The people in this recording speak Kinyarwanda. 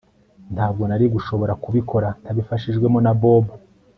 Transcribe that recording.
Ntabwo nari gushobora kubikora ntabifashijwemo na Bobo